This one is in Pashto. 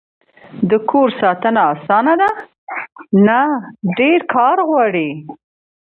د کور ساتنه اسانه ده؟ نه، ډیر کار غواړی